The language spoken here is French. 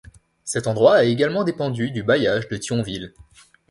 Cet endroit a également dépendu du bailliage de Thionville.